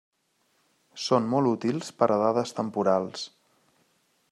Són molt útils per a dades temporals.